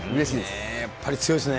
やっぱり強いですね。